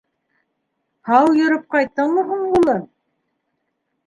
— Һау йөрөп ҡайттыңмы һуң, улым?